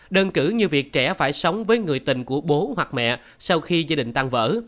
đơn cử như việc trẻ phải sống với người tình của bố hoặc mẹ sau khi gia đình tan vỡ